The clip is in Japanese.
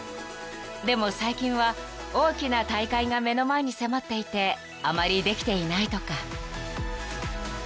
［でも最近は大きな大会が目の前に迫っていてあまりできていないとか］